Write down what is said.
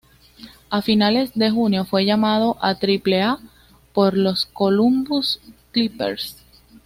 A finales de junio, fue llamado a Trile-A por los Columbus Clippers.